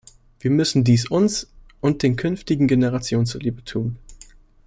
Wir müssen dies uns und den künftigen Generationen zuliebe tun.